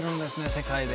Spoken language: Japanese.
世界で。